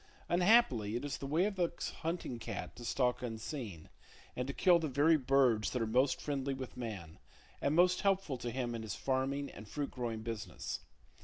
Unhappily it is the way of the hunting cat to stalk unseen, and to kill the very birds that are most friendly with man, and most helpful to him in his farming and fruit growing business.